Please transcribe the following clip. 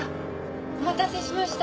お待たせしました。